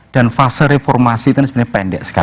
dan fase reformasi itu sebenarnya pendek sekali